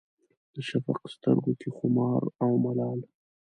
د شفق سترګو کې خمار او ملال